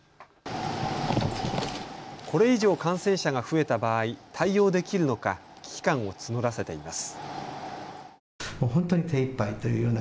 これ以上、感染者が増えた場合、対応できるのか危機感を募らせています。